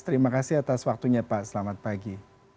terima kasih atas waktunya pak selamat pagi